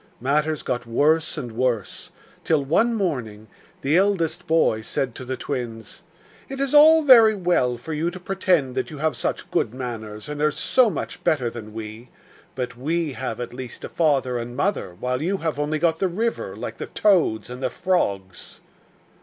Matters got worse and worse till, one morning, the eldest boy said to the twins: 'It is all very well for you to pretend that you have such good manners, and are so much better than we, but we have at least a father and mother, while you have only got the river, like the toads and the frogs.